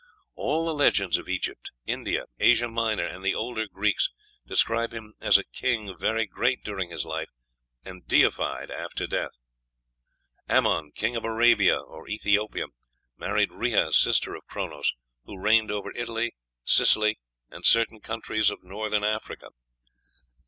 "All the legends of Egypt, India, Asia Minor, and the older Greeks describe him as a king very great during his life, and deified after death.... Amon, king of Arabia or Ethiopia, married Rhea, sister of Chronos, who reigned over Italy, Sicily, and certain countries of Northern Africa."